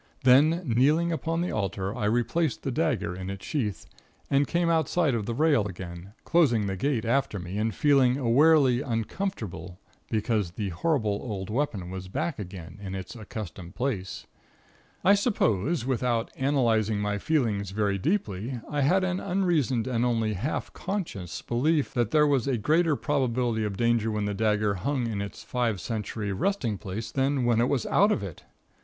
Then, kneeling upon the altar, I replaced the dagger in its sheath, and came outside of the rail again, closing the gate after me and feeling awarely uncomfortable because the horrible old weapon was back again in its accustomed place. I suppose, without analyzing my feelings very deeply, I had an unreasoned and only half conscious belief that there was a greater probability of danger when the dagger hung in its five century resting place than when it was out of it!